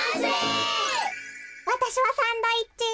わたしはサンドイッチ。